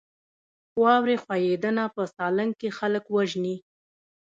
واورې ښویدنه په سالنګ کې خلک وژني؟